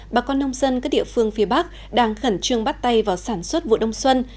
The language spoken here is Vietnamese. bà con nông dân các địa phương phía bắc đang khẩn trương bắt tay vào sản xuất vụ đông xuân